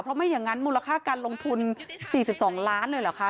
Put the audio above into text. เพราะไม่อย่างนั้นมูลค่าการลงทุน๔๒ล้านเลยเหรอคะ